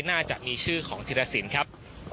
น่าจะมีชื่อของธิรสินครับ